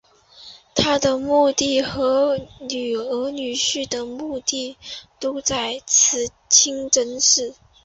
她的墓地和女儿女婿的墓地都在此清真寺。